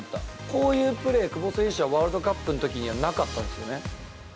こういうプレー、久保選手はワールドカップのときにはなかったんですよね。